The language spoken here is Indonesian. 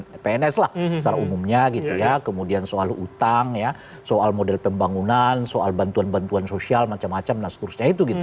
nah itu sudah selesai lah secara umumnya gitu ya kemudian soal utang ya soal model pembangunan soal bantuan bantuan sosial macam macam nah seterusnya